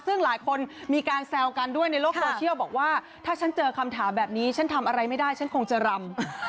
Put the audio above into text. ซึ่งหลายคนมีการแซวกันด้วยในโลกโซเชียลบอกว่าถ้าฉันเจอคำถามแบบนี้ฉันทำอะไรไม่ได้ฉันคงจะรำ